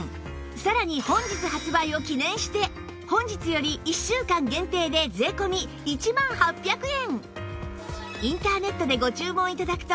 さらに本日発売を記念して本日より１週間限定で税込１万８００円